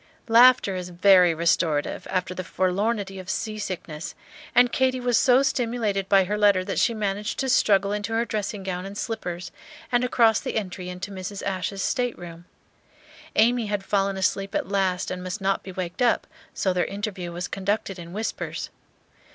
Laughter is very restorative after the forlornity of sea sickness; and Katy was so stimulated by her letter that she managed to struggle into her dressing gown and slippers and across the entry to Mrs. Ashe's stateroom. Amy had fallen asleep at last and must not be waked up, so their interview was conducted in whispers.